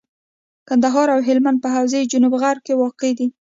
کندهار او هلمند په حوزه جنوب غرب کي واقع دي.